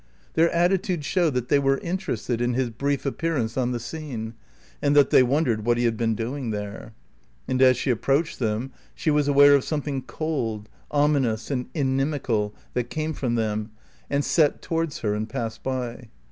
Their attitude showed that they were interested in his brief appearance on the scene, and that they wondered what he had been doing there. And as she approached them she was aware of something cold, ominous, and inimical, that came from them, and set towards her and passed by.